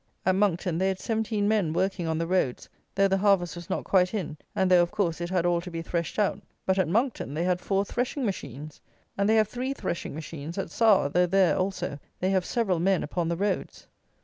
At Monckton they had seventeen men working on the roads, though the harvest was not quite in, and though, of course, it had all to be threshed out; but, at Monckton, they had four threshing machines; and they have three threshing machines at Sarr, though there, also, they have several men upon the roads!